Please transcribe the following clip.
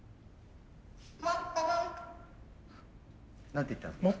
何て言ったんですか？